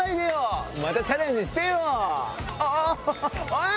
おい！